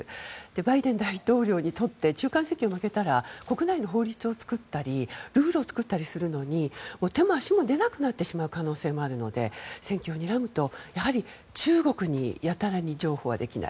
バイデン大統領にとって中間選挙に負けたら国内の法律を作ったりルールを作ったりするのに手も足も出なくなってしまう可能性もあるので選挙をにらむとやはり中国にやたらに譲歩はできない。